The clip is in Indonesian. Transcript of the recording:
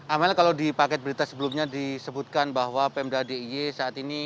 amel kalau di paket berita sebelumnya disebutkan bahwa pemda d i y saat ini